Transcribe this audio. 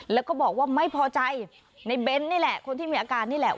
แล้วก็บอกว่าไม่พอใจในเบ้นนี่แหละคนที่มีอาการนี่แหละ